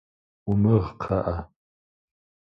Умыгъ, кхъыӏэ.